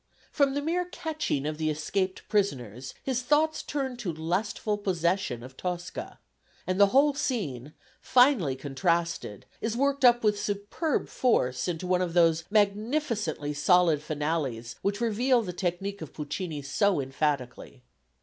From the mere catching of the escaped prisoners his thoughts turn to lustful possession of Tosca; and the whole scene, finely contrasted, is worked up with superb force into one of those magnificently solid finales which reveal the technic of Puccini so emphatically.